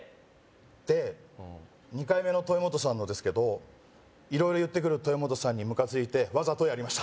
で２回目の豊本さんのですけど色々言ってくる豊本さんにムカついてわざとやりました